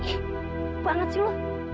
ih banget sih lu